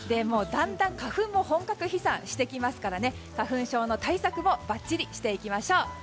だんだん花粉も本格飛散してきますから花粉症の対策もばっちりしていきましょう。